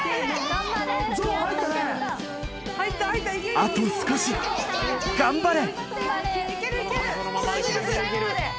あと少し頑張れ！